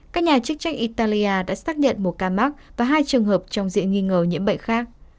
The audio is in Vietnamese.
các nhà chức trách italia đã xác nhận một ca mắc và hai trường hợp trong diện nghi ngờ nhiễm bệnh khác